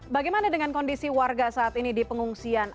bagaimana dengan kondisi warga saat ini di pengungsian